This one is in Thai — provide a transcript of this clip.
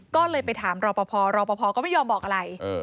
ก็เลยไปถามรอป่าพอรอป่าพอก็ไม่ยอมบอกอะไร